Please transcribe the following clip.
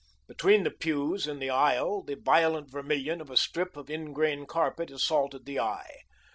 Between the pews, in the aisle, the violent vermilion of a strip of ingrain carpet assaulted the eye.